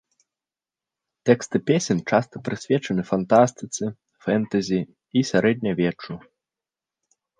Тэксты песен часта прысвечаны фантастыцы, фэнтэзі і сярэднявеччу.